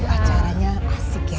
acaranya asik ya tadi